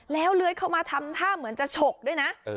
แล้วเลื้อยเข้ามาทำท่าเหมือนจะฉกด้วยนะ